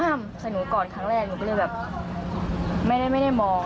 แต่เขาแบบไข่หนูก่อนครั้งแรกหนูก็เลยแบบแบบไม่ได้มอง